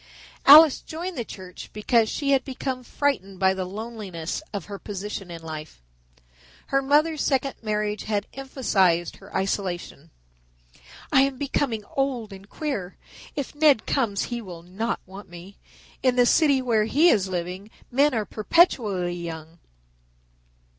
Alice joined the church because she had become frightened by the loneliness of her position in life. Her mother's second marriage had emphasized her isolation. "I am becoming old and queer. If Ned comes he will not want me. In the city where he is living men are perpetually young.